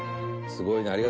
すごいな。